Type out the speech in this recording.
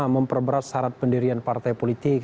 memperberat syarat pendirian partai politik